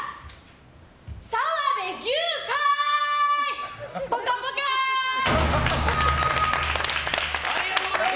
澤部牛かい！